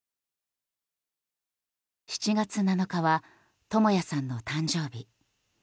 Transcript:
７月７日は智也さんの誕生日。